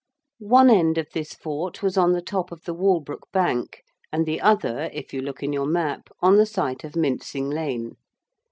One end of this fort was on the top of the Walbrook bank and the other, if you look in your map, on the site of Mincing Lane.